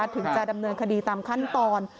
ถึงจะดำเนินคดีตามขั้นตอน